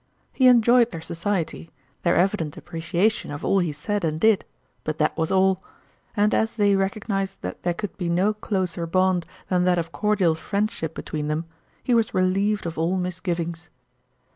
He enjoyed their society, their evident appreciation of all he said and did, but that was all ; and as they recognized that there could be no closer bond than that of cordial friendship between them, he was re lieved of all misgivings.